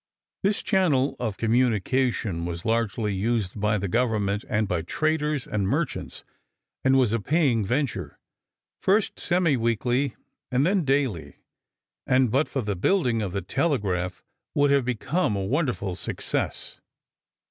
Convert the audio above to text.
This channel of communication was largely used by the Government and by traders and merchants, and was a paying venture, first semi weekly and then daily, and but for the building of the telegraph would have become a wonderful success.